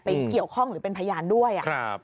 เกี่ยวข้องหรือเป็นพยานด้วย